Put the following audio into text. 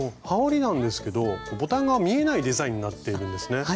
はおりなんですけどボタンが見えないデザインになっているんですね。